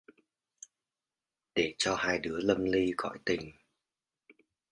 Để cho hai đứa lâm li cõi tình!